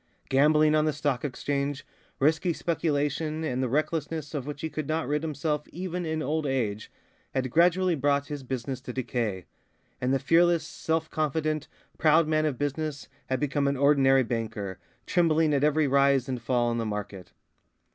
Gambling on the Stock Exchange, risky speculation, and the recklessness of which he could not rid himself even in old age, had gradually brought his business to decay; and the fearless, self confident, proud man of business had become an ordinary banker, trembling at every rise and fall in the market.